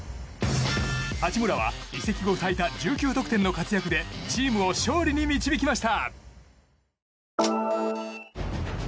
八村は、移籍後最多１９得点の活躍でチームを勝利に導きました。